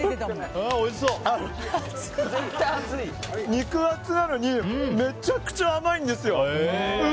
肉厚なのにめちゃくちゃ甘いんですよ。